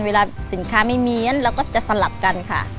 เวลาสินค้าไม่เมียนเราก็จะสลับกันค่ะ